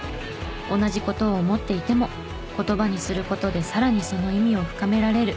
同じ事を思っていても言葉にする事でさらにその意味を深められる。